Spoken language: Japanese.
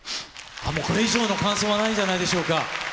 もうこれ以上の感想はないんじゃないでしょうか。